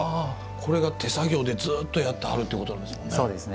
これが手作業でずっとやってはるっていうことなんですもんね。